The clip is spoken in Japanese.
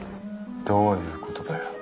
どういうことだよ。